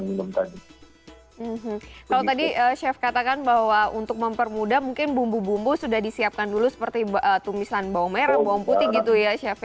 kalau tadi chef katakan bahwa untuk mempermudah mungkin bumbu bumbu sudah disiapkan dulu seperti tumisan bawang merah bawang putih gitu ya chef ya